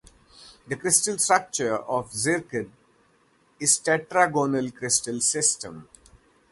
The crystal structure of zircon is tetragonal crystal system.